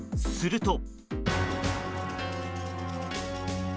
すると。